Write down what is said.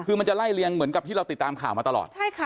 คือมันจะไล่เลียงเหมือนกับที่เราติดตามข่าวมาตลอด